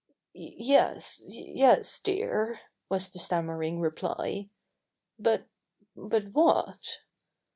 "Yes, yes, dear," was the stammering reply. "But what?"